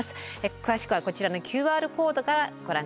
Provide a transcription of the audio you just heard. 詳しくはこちらのＱＲコードからご覧下さい。